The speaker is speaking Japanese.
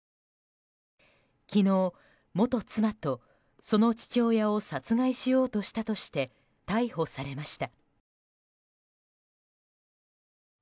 昨日、元妻とその父親を殺害しようとしたとして逮捕されました。